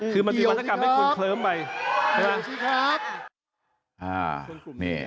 คือมันเป็นวาธกรรมให้คุณเคลิ้มไป